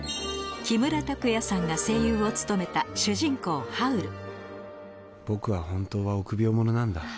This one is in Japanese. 木村拓哉さんが声優を務めた僕は本当は臆病者なんだ。